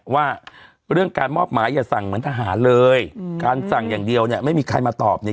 ว่าเรื่องการมอบหมายอย่าสั่งเหมือนทหารเลยการสั่งอย่างเดียวเนี่ยไม่มีใครมาตอบเนี่ย